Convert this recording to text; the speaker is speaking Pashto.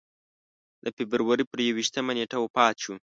د فبروري پر یوویشتمه نېټه وفات شو.